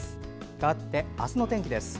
かわって明日の天気です。